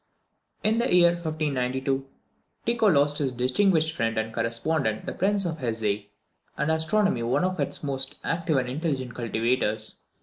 In the year 1592, Tycho lost his distinguished friend and correspondent the Prince of Hesse, and astronomy one of its most active and intelligent cultivators.